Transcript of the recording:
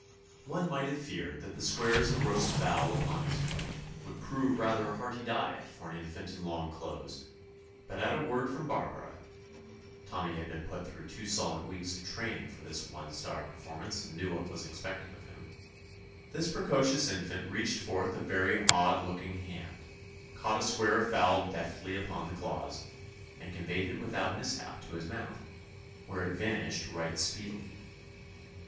One might have feared that the squares of roast fowl upon his plate would prove rather hearty diet for an infant in long clothes, but at a word from Barbara (Tommy had been put through two solid weeks of training 210 TOMMY POSTOFFICE for this one star performance, and knew what was expected of him) this precocious infant reached forth a very odd looking hand, caught a square of fowl deftly upon the claws, and con veyed it without mishap to his mouth, where it vanished right speedily.